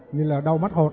như là đau mắt hột